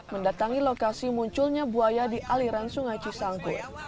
mendatangi lokasi munculnya buaya di aliran sungai cisanggu